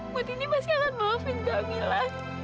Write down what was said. butini masih akan maafin kamila